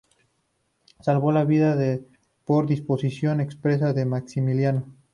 Salvó la vida por disposición expresa de Maximiliano.